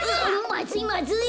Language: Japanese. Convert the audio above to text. まずいまずい。